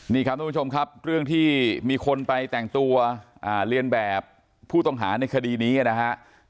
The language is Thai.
นี่ครับทุกผู้ชมครับเรื่องที่มีคนไปแต่งตัวเรียนแบบผู้ต้องหาในคดีนี้นะฮะ